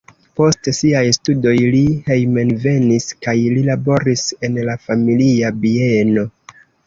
Post siaj studoj li hejmenvenis kaj li laboris en la familia bieno.